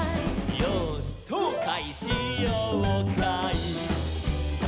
「よーしそうかいしようかい」